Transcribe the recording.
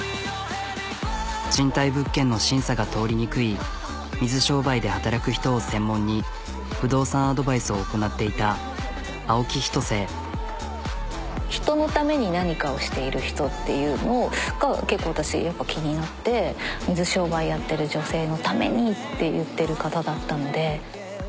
賃貸物件の審査が通りにくい水商売で働く人を専門に不動産アドバイスを行なっていた人のために何かをしている人っていうのがけっこう私やっぱ気になって水商売やってる女性のためにって言ってる方だったので。